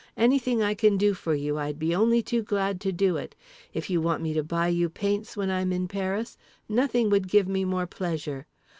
Anything I can do for you I'd be only too glad to do it. If you want me to buy you paints when I'm in Paris, nothing would give me more pleasure.